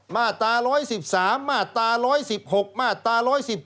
มาตรา๑๑๓มาตรา๑๑๖มาตรา๑๑๒